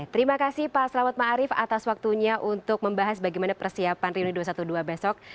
terima kasih pak selamat ma'arif atas waktunya untuk membahas bagaimana persiapan rioni dua ratus dua belas besok